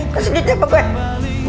kasih duitnya apa gue